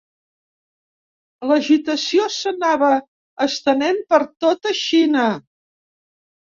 L'agitació s'anava estenent per tota Xina.